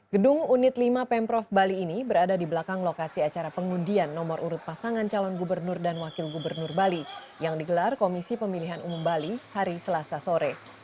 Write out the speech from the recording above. gedung unit lima pemprov bali ini berada di belakang lokasi acara pengundian nomor urut pasangan calon gubernur dan wakil gubernur bali yang digelar komisi pemilihan umum bali hari selasa sore